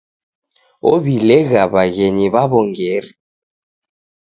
Ow'ilegha w'aghenyi w'aw'ongeri.